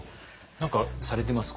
何かされてます？